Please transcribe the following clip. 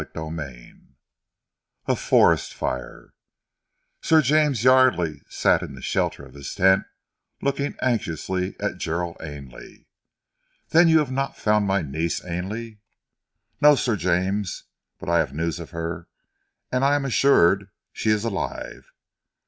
CHAPTER XI A FOREST FIRE Sir James Yardely sat in the shelter of his tent looking anxiously at Gerald Ainley. "Then you have not found my niece, Ainley?" "No, Sir James! But I have news of her, and I am assured she is alive."